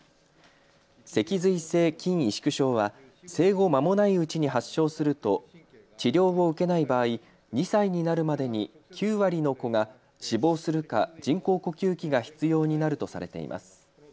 脊髄性筋萎縮症は生後まもないうちに発症すると治療を受けない場合、２歳になるまでに９割の子が死亡するか人工呼吸器が必要になるとされています。